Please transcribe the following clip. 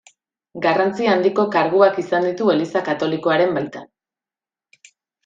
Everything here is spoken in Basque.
Garrantzi handiko karguak izan ditu Eliza Katolikoaren baitan.